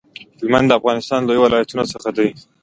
هلمند د افغانستان د لویو ولایتونو څخه دی